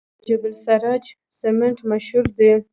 د جبل السراج سمنټ مشهور دي